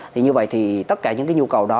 thì như vậy thì tất cả những cái nhu cầu đó